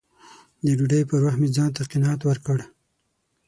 د ډوډۍ پر وخت مې ځان ته قناعت ورکړ